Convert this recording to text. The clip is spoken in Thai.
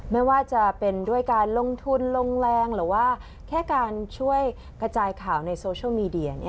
ไม่ว่าจะเป็นด้วยการลงทุนลงแรงหรือว่าแค่การช่วยกระจายข่าวในโซเชียลมีเดีย